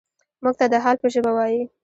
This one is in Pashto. موږ ته د حال په ژبه وايي.